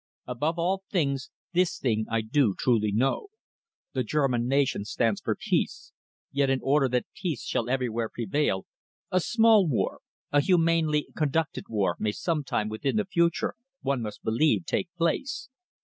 Above all things, this thing I do truly know. The German nation stands for peace. Yet in order that peace shall everywhere prevail, a small war, a humanely conducted war, may sometime within the future, one must believe, take place.